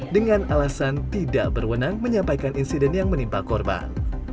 dengan alasan tidak berwenang menyampaikan insiden yang menimpa korban